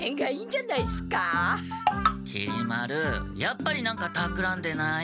きり丸やっぱり何かたくらんでない？